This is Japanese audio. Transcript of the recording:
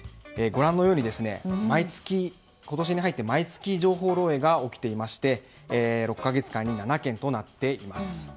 ご覧のように今年に入って毎月情報漏洩が起きていまして６か月間に７件となっています。